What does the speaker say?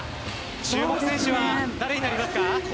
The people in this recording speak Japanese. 注目選手は誰になりますか？